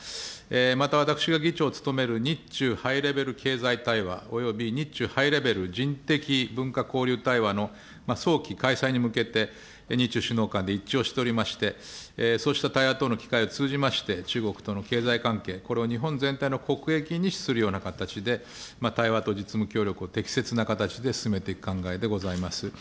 また私が議長を務める日中ハイレベル経済対話および日中ハイレベル人的文化交流対話の早期開催に向けて、日中首脳間で一致をしておりまして、そうした対話との機会を通じまして、中国との経済関係、これを日本全体の国益に資するような形で、対話と実務協力を適切な形で進めていく考えでございます。